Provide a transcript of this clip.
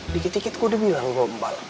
dikit dikit kok udah bilang gombal